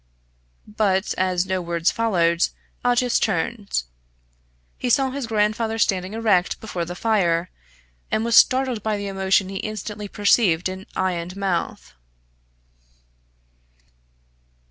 But, as no words followed, Aldous turned. He saw his grandfather standing erect before the fire, and was startled by the emotion he instantly perceived in eye and mouth.